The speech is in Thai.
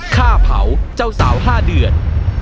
ฆ่าเผาเจ้าสาว๕เดือน